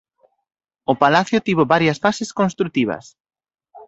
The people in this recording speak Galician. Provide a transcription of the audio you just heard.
O Palacio tivo varias fases construtivas.